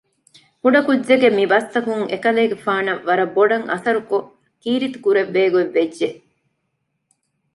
ކުޑަކުއްޖެއްގެ މިބަސްތަކުން އެކަލޭގެފާނަށް ވަރަށްބޮޑަށް އަސަރުކޮށް ކީރިތި ކުރެއްވޭގޮތް ވެއްޖެ